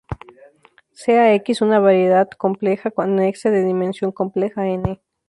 Sea "X" una variedad compleja conexa de dimensión compleja "n".